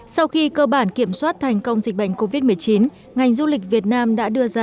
sau khi cơ bản kiểm soát thành công dịch bệnh covid một mươi chín ngành du lịch việt nam đã đưa ra